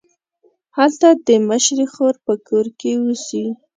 هلته د مشرې خور په کور کې اوسي.